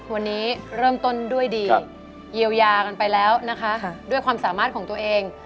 วันนี้เริ่มต้นด้วยดีเยียวยากันไปแล้วนะคะด้วยความสามารถของตัวเอง